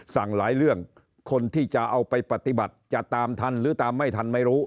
สั่งหลายเรื่องคนที่จะเอาไปปฏิบัติจะตามทันหรือตามไม่ทันไม่รู้